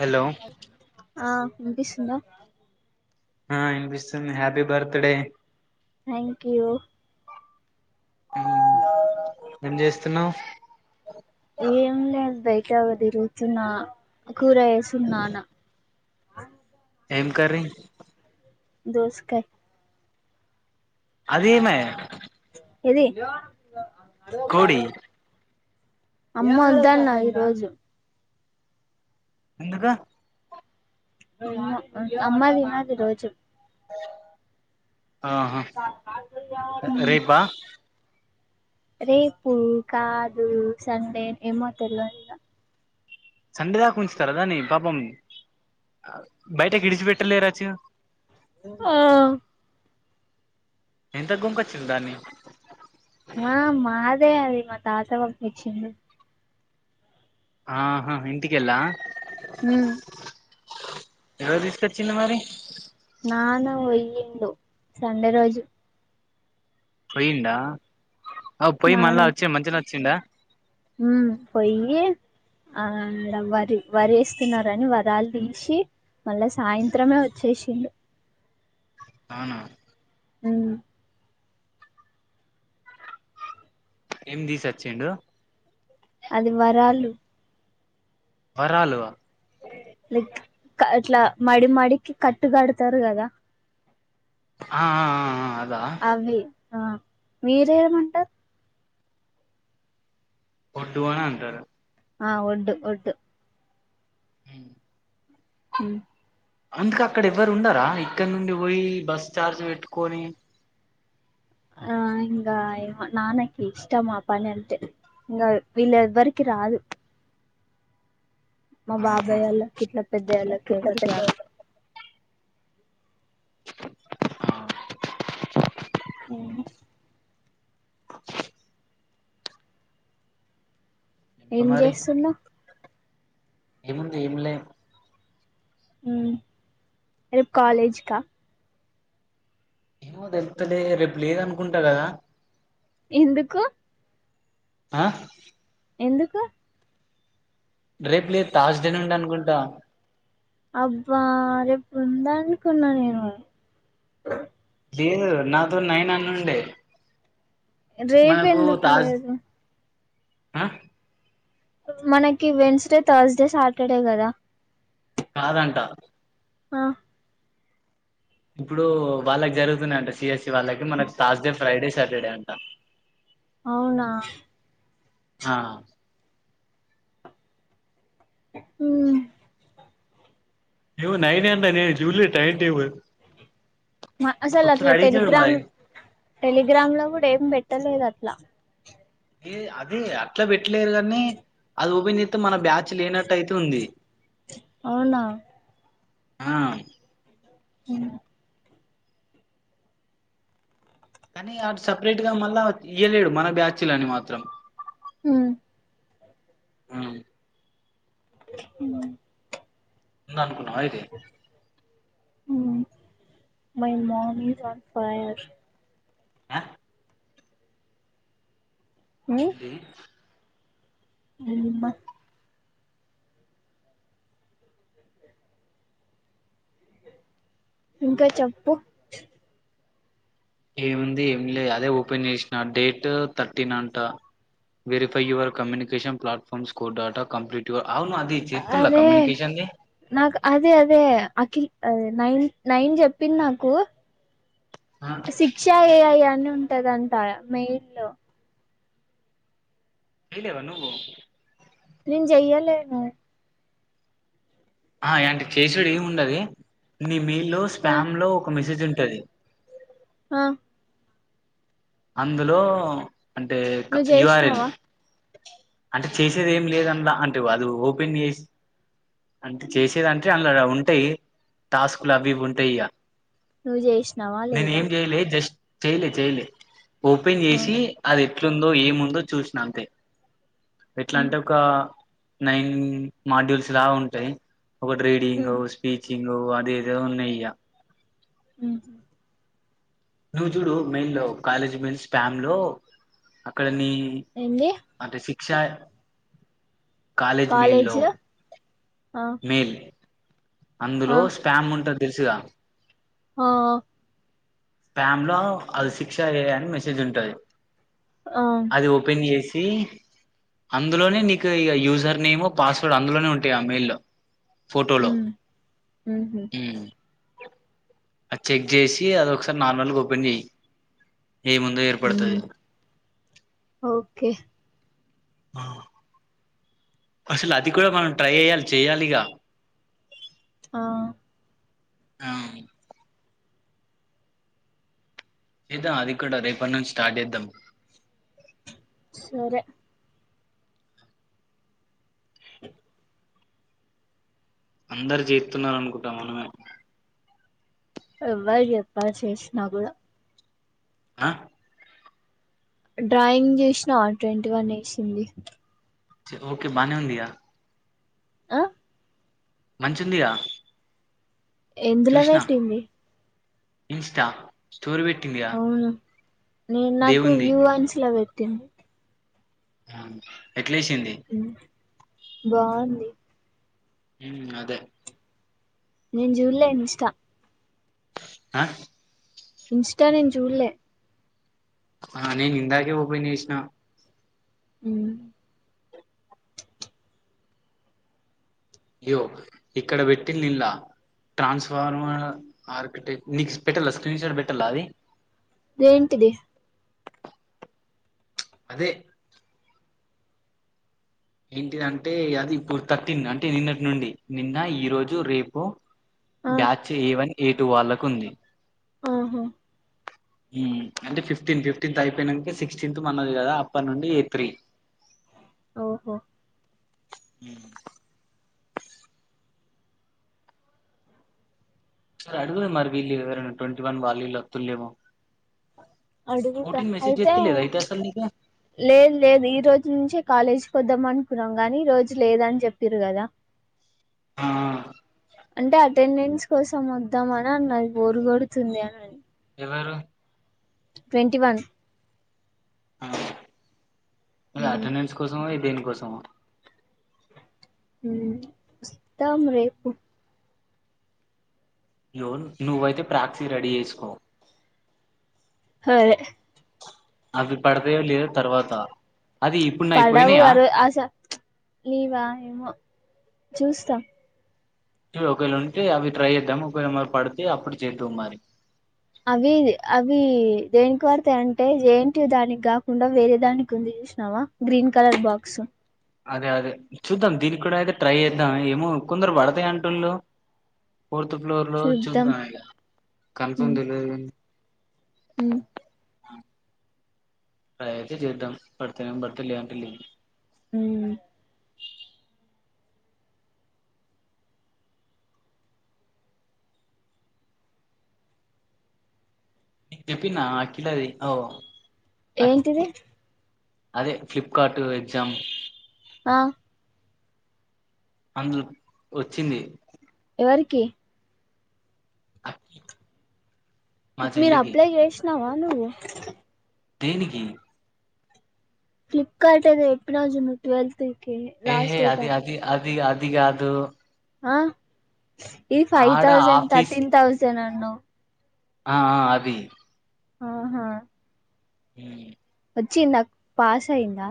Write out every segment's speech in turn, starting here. hello ఆ వినిపిస్తుందా ఆ వినిపిస్తుంది happy birthday thank you అ ఏం చేస్తున్నావు ఏం లేదు బయట తిరుగుతున్న కూర చేస్తున్నాను ఏం కర్రీ దోసకాయ అదేమే ఏది అ అడ కోడి అమ్మ వద్దన్నది ఈ రోజు ఎందుక అమ్మ తినదు ఈరోజు ఆహా రేపా రేపు కాదు సండె ఏమో తెలువదిగ సండే దాకా ఉంచుతారుదాని పాపం బయటకి విడిచిపెట్టలేరాచ ఆ ఎంతకీ కొనుక్కొచ్చింలు దాన్ని ఆ మాదే అది మా తాత పంపించిండు ఆహా ఇంటికెల్లా ఉ ఎవరు తీసుకొచ్చింరు మరి నాను పోయ్యడు సండే రోజు పొయిండా అ పొయి మళ్ళా వచ్చి మంచిగనే వచ్చిండ ఉ పోయ్యి ఆ వరి వరి వేస్తున్నరని వరాలు తీసి మళ్ళా సాయంత్రమే వచ్చేసిండు అవునా ఉ ఏందీసి వచ్చిండు అది వరాలు వరాలువా లైక్ అట్లా మడి మడికి కట్టు కడతారు కదా ఆ ఆ ఆ అదా అవి ఆ మీరేమంటారు వడు అని అంటారు ఆ ఒడ్డు ఒడ్డు ఉం అందుక అక్కడ ఎవ్వరు ఉండారా ఇక్కడ నుండి పోయి బస్ ఛార్జ్ పెట్టుకొని ఆ ఇంగ నానకి ఇష్టం ఆ పని అంటే ఇంగ వీలేవరికి రాదు మా ఆహా బాబాయ వాళ్ళకి ఇట్లా పెద్దళ్ళకి ఎవరికి రాదు ఆ హు హామ్ [unintelligible] ఇంక ఏం మరి చేస్తున్నావు ఏముంది ఏం లే ఉం రేపు కాలేజ్ కా ఏమో తేలుత్తలే రేపు లేదు అనుకుంటా కదా ఎందుకు ఆ ఎందుకు రేపు లేదు థర్సడే నుండి అనుకుంటా అబ్బా రేపు ఉందనుకున్నా నేను లేదు నాతో నైన్ అనండి రేపు మనకు ఎందుకు తాజ్ లేదు ఆ మనకి వెడ్నస్డే తర్స్డే సాటర్డే కదా కాదంట ఆ ఇప్పుడు వాళ్ళకి జరుగుతున్నాయింట సిఎస్సి వాళ్ళకి మనకు థాస్డే ఫ్రైడే సాటర్డే అంట అవునా ఆ ఉం ఏవో నైవే [unintelligible] అన్నారే జూలే టైం టేబుల్ అసలు ఒకసారి అట్లా అడిగి చూడు మరి టెలిగ్రామ్ టెలిగ్రామ్ లో కూడా ఏం పెట్టలేదు అట్లా ఏ అదే అట్లా పెట్లేదని అది ఓపెన్ చేతే మన బ్యాచ్ లేనట్టు అయితుంది అవునా ఆ ఉం కానీ అడు సపరేట్ గా మళ్ళా ఇయ్యలేడు మన బ్యాచిలని మాత్రం ఉం ఉంది ఉం ఉంది అనుకున్నావ అయితే my mom is on fire [unintelligible] ఆ మీ అ [unintelligible] [inaudible] ఇంకా చెప్పు ఏవుంది ఏమి లే అదే ఓపెన్ చేష్న డేట్ థర్టీన్ అంట verify your communication platform score data complete your అవున్ అది అ చేతుల్ల అరే కమ్యూనికేషన్ది నాక్ అదే అదే అఖిల్ అది నైన్ నైన్ చెప్పిన్ నాకు శిక్ష ఏ ఐ అని ఉంటదంట మెయిల్ల్లో ఎయిలేవ నువ్వు నేన్ జెయ్యలేను ఆ యాంటి కేస్ రీడ్ ఏం ఉండది నీ మెయిల్లో ఆ స్పామ్ లో ఒక మెసేజ్ ఉంటది అ అందులో అంటే క నువ్వు యుఆర్ఎల్ చేసినావా అంటే చేసేద్ ఏం లేదన్ల అంటే వదు ఓపెన్ చేస్ అంట్ చేసేదంటే అండ్లడ ఉంటయి టాస్కుల్ అవ్వివ్వి ఉంటాయ్ ఇగా నువ్వు చేసినావా నేన్ లేదా ఏం జేయలే జష్ చేయలే చేయలే ఓపెన్ ఆ చేశి అద్ ఎట్లుందో ఏముందో చూసిన అంతే ఉమ్ ఎట్లాంటే ఒక నైన్ మాడ్యూల్స్ లా ఉంటయి ఒకట్ రీడింగో ఉమ్ స్పీచింగో అది ఏదో ఉన్నయిగ ఉహ్ నువ్వు జూడు మెయిల్లో కాలేజీ మెన్ స్టాండ్ లో అక్కడనీ ఏంది అంటే సిక్షయ్ కాలేజ్ మెయిల్ ల్లో ఆ మేల్ అందులో ఆ స్పామ్ ఉంటదెలుసుగా ఆ ప్యామ్ లో అది శిక్ష ఎఐ అని మెసేజ్ ఉంటది ఆ అది ఓపెన్ జేసి అందులోనే నీకు ఇగ యూజర్ నేము పాస్వర్డ్ అందులోనే ఉంటయ్ ఆ మెయిల్ లో ఫోటోలో ఉమ్ ఉహు ఉమ్ అద్ చెక్ జేసి అది ఒకసార్ నార్మల్గ ఓపెన్ చేయి ఏము ఉమ్ ఓకే ఆ అసలది కూడా మనం ట్రై ఏయాల్ చెయాలిగా ఆ అవు ఏద్దాం అది కూడా రేపనుంచి స్టార్ట్ చేద్దాం సరే అందరు జేత్తున్నారనుకుటా మనమే ఎవ్వర్ చేప్ప చేసినా గూడా అ డ్రాయింగ్ చేష్నావా ట్వంటీ వన్ ఏసింది చెప్పు ఓకే బానే ఉందిగా అ మంచ్ ఉందిగా ఎందులో వెట్టింది ఇన్స్టా స్టోరి వెట్టిందిగా అవును నేన్ నాకు వ్యూ వన్స్ ల వెట్టింది ఆన్ ఎట్లేసింది ఉ బావుంది ఊమ్ అదే నేన్ జూడ్లే ఇన్స్టా అ ఇన్స్టా నేను చూడ్ల్లే ఆ నేను ఇందాకే ఓపెన్ జేశ్న ఊ యో ఇక్కడ వెట్టిన్ లిల్లా ట్రాన్స్ఫార్మర్ ఆర్కిటెక్ నీక్స్ పెట్టాల స్క్రీన్ షాట్ బెట్టాల్లా అది ఏంటిది అదే ఏంటిదంటే అది ఇప్పుడు థర్టీన్ అంటే నిన్నట్నుండి నిన్న ఈ రోజు రేపు ఆ batch A one A two వాళ్ళకు ఉంది ఆహా ఊ అంటే ఫిఫ్టీన్ ఫిఫ్టీన్త్ అయిపోయినంక సిక్స్టీన్త్ మనది గదా అప్పనుండి ఎ త్రీ ఓహో ఊ సార్ అడుగుర్ మరి వీళ్లు ఎవరన ట్వంటీ వన్ వాల్లు ఈళ్ళు ఒతుల్లేమో అడుగుతా ఫోర్టీన్ మెసేజ్ అయితే ఏత్తలేద అయితే అసల్ నీకు లేదు లేదు ఈ రోజు నుంచి కాలేజ్ పోదాం అనుకున్నం గానీ ఈ రోజు లేదని జెప్పిరు గదా ఆ, అంటే అ టెండెన్స్ కోసం ఒద్దాం అని అన్నది బోరు గొడుతుంది అనని ఎవరు ట్వెంటీ వన్ ఆ అ ఉమ్ అటెండెన్స్ కోసమో ఇ దేన్ కోసమో ఊ ఒస్తాం రేపు యోన్ నువ్వైతే ప్రాక్సీ రెడీ ఏసుకో హదే అవి పడతయో లేదో తర్వాత అది ఇప్పుడు నాయి పడవు పోయినాయా అరొ ఆస లీవా ఏమో చూస్తా చూ ఒకేళ ఉంటే అవి ట్రై ఏద్దం ఒకేళ మ పడితే అప్పుడు చేద్దువు మరి అవ్వీ అవ్వి దేనికి వడుతయంటే జే ఎన్ టి యు దాని గాకుండ వేరే దానికి ఉంది శ్నవా గ్రీన్ కలర్ బాక్స్ అదే అదే చూద్దాం దీని కూడా అయితే ట్రై ఏద్దాం ఏమో కొందరు వడతయ్ అంటుళ్ళు ఫోర్త్ ఫ్లోర్ లో చూద్దాం ఇగ కన్ఫర్మ్ దెల్వది ఉ అ ట్రై అయితే జేద్దం పడుతెనేమో పడుతద్ లే అంటే లిన్ ఊ నీక్ చెప్పిన్నా ఆ కిలది ఓ అక్- ఏంటిది అదే ఫ్లిప్కార్ట్ ఎగ్జామ్ ఆ అందులో వచ్చింది ఎవరికి అక్కి మీరు అప్లై చేసినావా నువ్వు దేనికి ఫ్లిప్కార్ట్ ఏదో ఎప్పినావ్ చూడు ట్వెత్ ఏహే అది అది అది అదిగాదు ఆ ఈ ఫైవ్ ఆడ తౌసండ్ ఆఫీస్ థర్టీన్ తథౌసండ్ అన్నావ్ ఆ ఆ అది ఆహా ఉమ్ వచ్చిదాక్ పాస్ అయిందా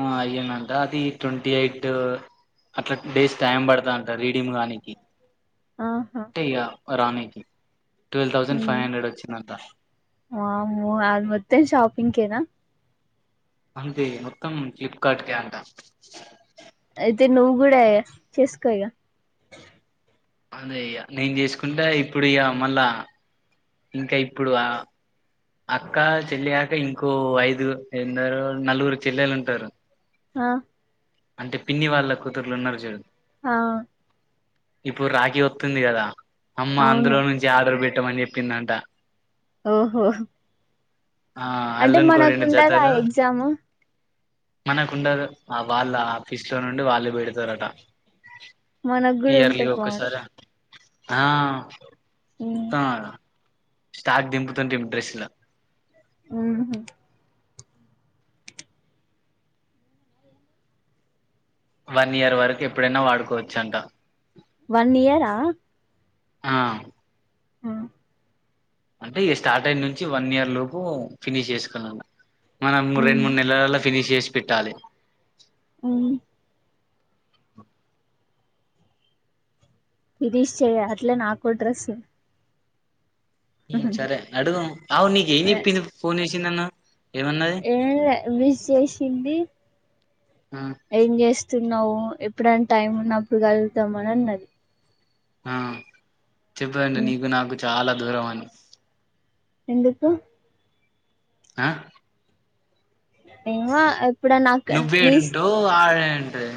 ఆ అయ్యిందమ్ట అది ట్వంటీ ఎయిట్ అట్లా డేస్ టైం పడతాంట రీడింగ్ కానికి ఆహా ఇగా రాణికి ట్వెల్వ్ థౌజండ్ ఫైవ్ హ్మ్ హండ్రెడ్ వచ్చిందంట వామ్మో అది మత్తేం షాపిగ్ కేనా అంతే మొత్తం ఫ్లిప్కార్ట్ కే అంట అయితే నువ్వు కూడా చేసుకో ఇగ అంతే ఇగ నేను చేసుకుంటే ఇప్పుడు ఇగా మళ్ళా ఇంకా ఇప్పుడు అక్క చెల్లియాక ఇంకో ఐదు ఎరు నలుగురు చెల్లెలు ఉంటారు ఆ అంటే పిన్ని వాళ్ళ కుతుర్లు ఉన్నారు చూడు ఆ ఇప్పుడు రాఖీ వత్స్తుంది కదా అమ్మ అవును అందులో నుంచి ఆర్డర్ పెట్టమని చెప్పిందంట ఓహో ఆ అంటే అల్లునికో మనకు రెండు ఉండదా ఆ జతలు ఎగ్జామ్ మనకుండదు ఆ వాళ్ళు ఆఫీస్ లో నుండి వాళ్ళు పెడతారట మనకు కూడా ఇయర్లీ ఉంటే ఓకే బాగుండు సార్ ఆ ఉమ్ మొత్తం స్టాక్ దింపుతుంమ్ డ్రెస్ ఇలా ఉమ్ హు వన్ ఇయర్ వరకు ఎప్పుడైనా వాడుకోవచ్చ అంట వన్ ఇయరా ఆ హా అంటే ఈ స్టార్ట్ అయినుంచి వన్ ఇయర్ లోపు ఫినిష్ చేసుకున్నాను మనం రెండు ఉమ్ మూడు నెలల్లో ఫినిష్ చేసి పెట్టాలి ఉమ్ గిరీష్ చెయ్య అట్లే నాకు కూడా డ్రెస్ సరే అడుగు అవు నీక ఏం చెప్పింది ఫోన్ చేసి నిన్న ఏంలే విస్ చేసింది ఆ ఏం చేస్తున్నావు ఎప్పుడనా టైం ఉన్నప్పుడు కలుద్దాం అని అన్నది ఆ చెప్పదండి ఉమ్ నీకు నాకు చాల దూరం అని ఎందుకు ఆ ఏమో ఎప్పుడన్నా నువ్వే నీ ఏడుంటవ్ ఆడ ఏంటుది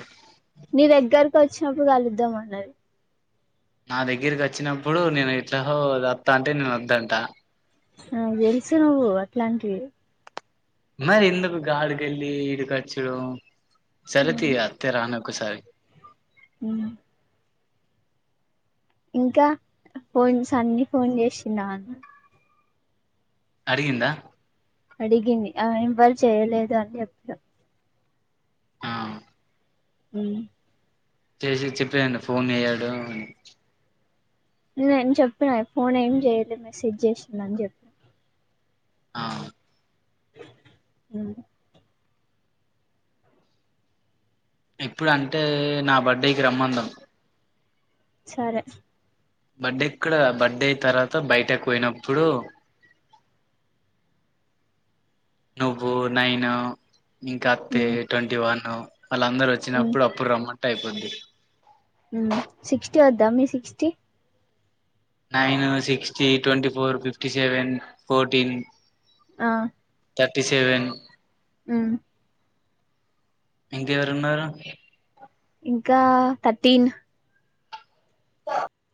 మీ దగ్గరకు వచ్చినప్పుడు కలుద్దాం అన్నది నా దగ్గరికి వచ్చినప్పుడు నేను ఇట్ల వత్తా అంటే నేను వద్దంట ఆ [unintelligible] నవ్వు అట్లాంటివి మరి ఎందుకు గాడికెల్లి ఈడు ర్చడం సరేతి అత్తే రానక్కసారి ఉ ఇంకా [unintelligible] అన్న ఫోన్ చేసినాన అడిగింద అడిగింది ఆ ఇం వాళ చేయలేదు అని [unintelligible] ఆ ఉ చేసి చెప్పేయండి ఫోన్ [unintelligible] య్యాడు అని నేను చెప్పన్న ఫోన్ ఏం చేయలేదు మెసేజ్ చేసింది అని చెప్ ఆ ఉ ఇప్పుడు అంటే నా బర్డే కి [unintelligible] సరే బర్త్డే ఇక్కడ బర్త్డేతర్వాత బయటకు పోయినప్పుడు నువ్వు నైన్ ఇంక అతి ట్వంటీ వన్ వాళ్ళందరు వచ్చినప్పుడు [unintelligible] రమ్మంటే అయిపోయింది సిక్స్టీ వద్దా మీ sixty nine sixty twenty four fifty seven fourteen ఆ థర్టీ సెవెన్ ఉ ఇంక ఎవరున్నారు ఇంకా థర్టీన్ స